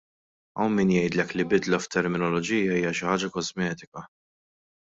Hawn min jgħidlek li bidla f'terminoloġija hija xi ħaġa kosmetika.